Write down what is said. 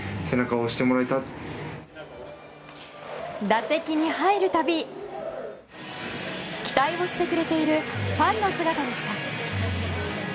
打席に入るたび期待をしてくれているファンの姿でした。